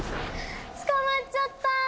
捕まっちゃった。